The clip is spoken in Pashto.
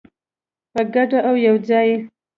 په ګډه او یوځای.